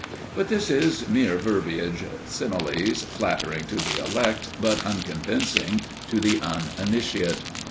But this is mere verbiage; similes, flattering to the elect, but unconvincing to the uninitiate.